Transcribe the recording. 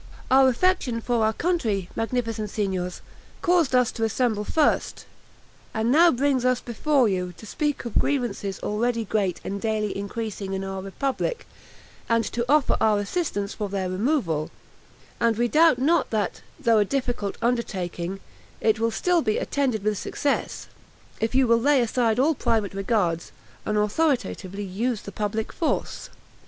Our affection for our country, magnificent Signors! caused us to assemble first, and now brings us before you, to speak of grievances already great and daily increasing in our republic, and to offer our assistance for their removal: and we doubt not that, though a difficult undertaking, it will still be attended with success, if you will lay aside all private regards, and authoritatively use the public force.